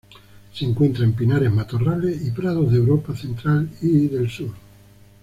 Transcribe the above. Se encuentra en pinares, matorrales y prados de Europa central y del sur.